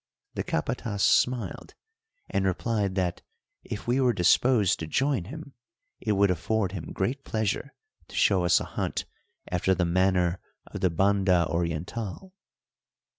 The capatas smiled, and replied that, if we were disposed to join him, it would afford him great pleasure to show us a hunt after the manner of the Banda Orientál.